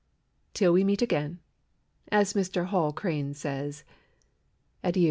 Till we meet again As Mr. Hall Caine says Addio.